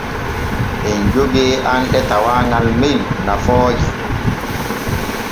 Em jogee anɗe tawaagal men nafooje.